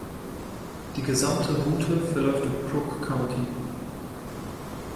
Die gesamte Route verläuft im Crook County.